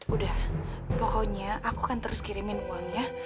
udah pokoknya aku akan terus kirimin uang ya